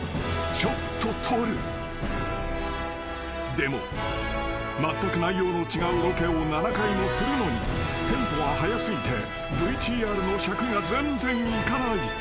［でもまったく内容の違うロケを７回もするのにテンポが速過ぎてＶＴＲの尺が全然いかない］